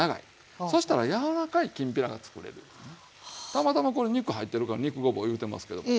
たまたまこれ肉入ってるから肉ごぼういうてますけども。